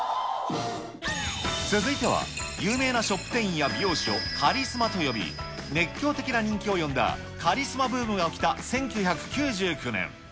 続いては、有名なショップ店員や美容師をカリスマと呼び、熱狂的な人気を呼んだカリスマブームが起きた１９９９年。